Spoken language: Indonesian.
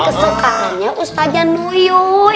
teman kesukaannya ustadzianuyuy